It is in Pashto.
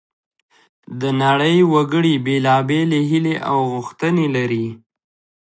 د نړۍ وګړي بیلابیلې هیلې او غوښتنې لري